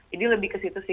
jadi lebih ke situ sih